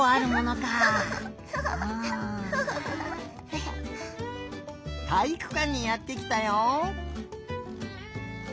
たいいくかんにやってきたよ。